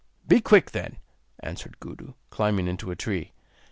'Be quick then,' answered Gudu, climbing into a tree.